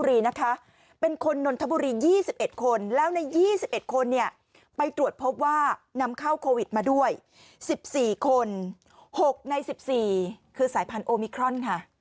อีกคน๖ใน๑๔คือสายพันธุ์โอมิครอนค่ะ